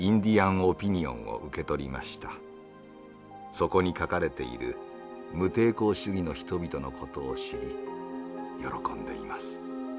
そこに書かれている『無抵抗主義』の人々の事を知り喜んでいます。